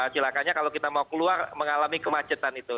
silakannya kalau kita mau keluar mengalami kemacetan itu